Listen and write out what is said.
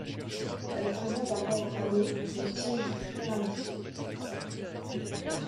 Elle présente un port rameux, des tiges très ramifiées.